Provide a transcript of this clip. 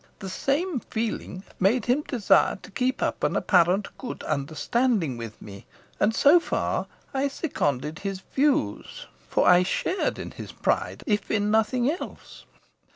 The same feeling made him desire to keep up an apparent good understanding with me; and so far I seconded his views, for I shared in his pride, if in nothing else.